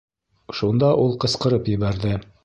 Шунда ул ҡысҡырып ебәрҙе: